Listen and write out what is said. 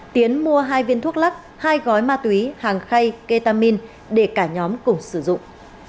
tiến mua hai viên thuốc lắc hai gói ma túy hàng khay ketamin để cả nhóm cùng sử dụng